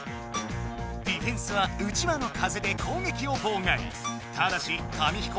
ディフェンスは「うちわ」の風で攻撃をぼうがい。